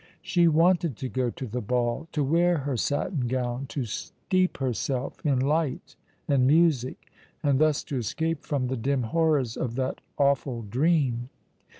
She wanted to go to the ball, to wear her satin gown, to steep herself in light and music ; and thus to escape from the dim horrors of that awful dream.